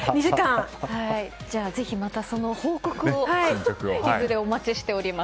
ぜひまたその報告をいずれお待ちしております。